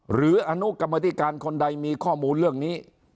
หรืออนุกรรมธิการคนใดมีข้อมูลเรื่องนี้